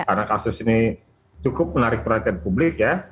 karena kasus ini cukup menarik perhatian publik ya